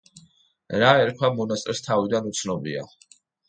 რა ერქვა მონასტერს თავიდან, უცნობია.